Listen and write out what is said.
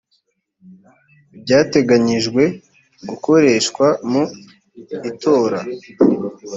ibyateganyijwe gukoreshwa mu itora